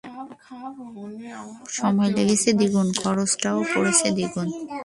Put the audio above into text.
সময় লেগেছে দ্বিগুন, খরচাও পড়েছে দ্বিগুন!